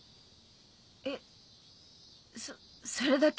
えっそそれだけ？